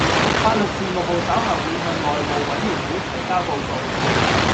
法律事務部稍後會向內務委員會提交報告